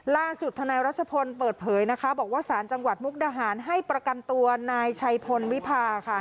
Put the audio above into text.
ทนายรัชพลเปิดเผยนะคะบอกว่าสารจังหวัดมุกดาหารให้ประกันตัวนายชัยพลวิพาค่ะ